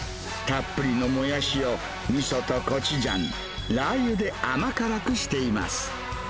たっぷりのモヤシを、みそとコチュジャン、ラー油で甘辛くしています。